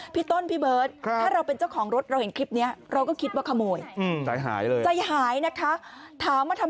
พี่ต้นพี่เบิร์ทถ้าเราเป็นเจ้าของรถ